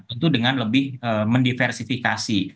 tentu dengan lebih mendiversifikasi